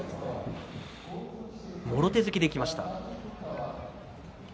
もろ手突きでいきました。